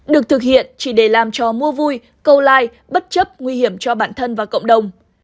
được thực hiện chỉ để làm trò mua vui câu like bất chấp nguy hiểm cho bản thân và cộng đồng